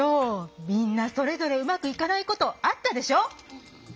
みんなそれぞれうまくいかないことあったでしょ。